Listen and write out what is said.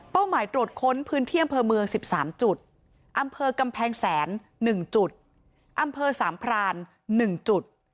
หมายตรวจค้นพื้นที่อำเภอเมือง๑๓จุดอำเภอกำแพงแสน๑จุดอำเภอสามพราน๑จุด